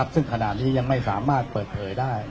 ซึ่งขณะนี้ยังไม่สามารถเปิดเผยได้